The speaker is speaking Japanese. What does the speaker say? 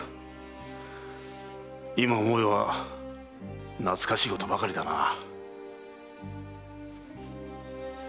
今思えば懐かしいことばかりだなあ。